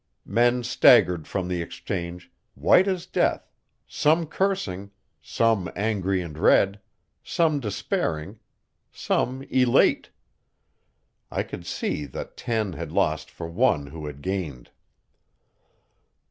Men staggered from the Exchange, white as death, some cursing, some angry and red, some despairing, some elate. I could see that ten had lost for one who had gained.